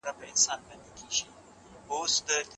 ټولنیز پروګرامونه د خلکو اړتیاوو ته ځواب ویونکی وي.